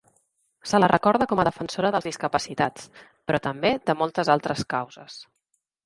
Se la recorda com a defensora dels discapacitats, però també de moltes altres causes.